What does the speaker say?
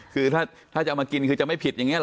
คือถ้าจะเอามากินคือจะไม่ผิดอย่างนี้เห